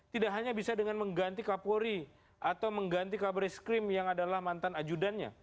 tidak hanya bisa dengan mengganti kapolri atau mengganti kabari skrim yang adalah mantan ajudannya